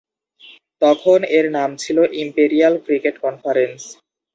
তখন এর নাম ছিল ইম্পেরিয়াল ক্রিকেট কনফারেন্স।